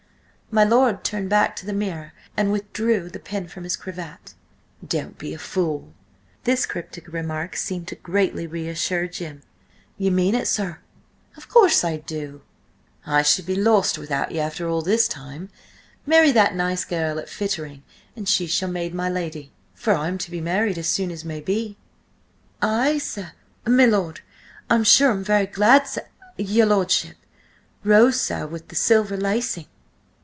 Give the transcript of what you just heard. My lord turned back to the mirror and withdrew the pin from his cravat. "Don't be a fool." This cryptic remark seemed greatly to reassure Jim. "Ye mean it, sir?" "Of course I do. I should be lost without you after all this time. Marry that nice girl at Fittering, and she shall maid my lady. For I'm to be married as soon as may be!" "Ay, s–my lord! I'm sure I'm very glad, s–your lordship. Rose, sir? With the silver lacing?"